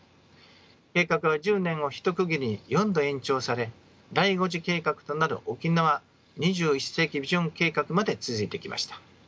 計画は１０年を一区切りに４度延長され第五次計画となる沖縄２１世紀ビジョン計画まで続いてきました。